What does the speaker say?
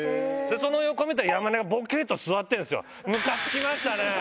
その横見たら、山根がぼけーっと座ってるんですよ、むかつきましたね。